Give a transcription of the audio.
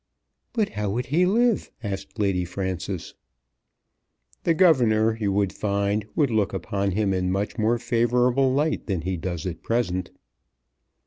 "But how would he live?" asked Lady Frances. "The governor, you would find, would look upon him in a much more favourable light than he does at present."